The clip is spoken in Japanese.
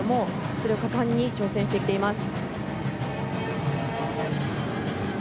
それを果敢に挑戦していっています。